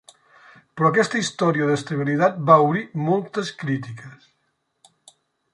Però aquesta història d'estabilitat va obrir moltes crítiques.